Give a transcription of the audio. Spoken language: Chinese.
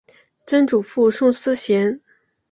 曾祖父宋思贤。